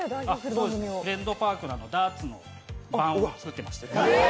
「フレンドパーク」はダーツの盤を作ってました。